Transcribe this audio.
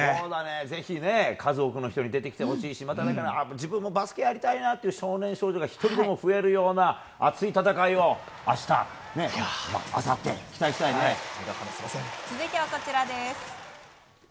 ぜひ数多くの人に出てきてほしいし自分もバスケやりたいなという少年・少女が１人でも増えるような熱い戦いを明日、あさって続いては、こちらです。